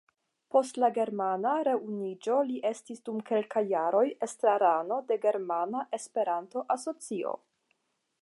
Post la germana reunuiĝo li estis dum kelkaj jaroj estrarano de Germana Esperanto-Asocio.